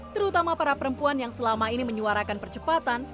terutama para perempuan yang selama ini menyuarakan percepatan